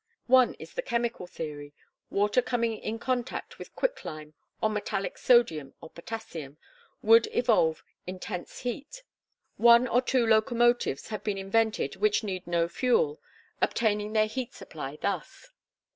One is the chemical theory: water coming in contact with quick lime, or metallic sodium or potassium, would evolve intense heat. One or two locomotives have been invented which need no fuel, obtaining their heat supply thus.